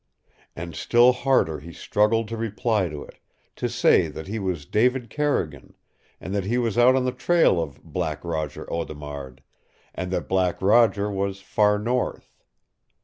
And still harder he struggled to reply to it, to say that he was David Carrigan, and that he was out on the trail of Black Roger Audemard, and that Black Roger was far north.